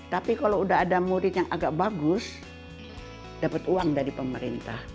tapi kalau udah ada murid yang agak bagus dapat uang dari pemerintah